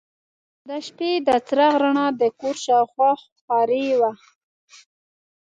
د شپې د څراغ رڼا د کور شاوخوا خورې وه.